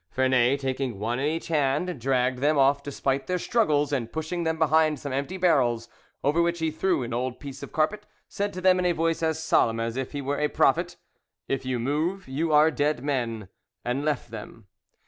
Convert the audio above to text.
Vernet taking one in each hand, dragged them off despite their struggles, and pushing them behind some empty barrels, over which he threw an old piece of carpet, said to them in a voice as solemn as if he were a prophet, "If you move, you are dead men," and left them.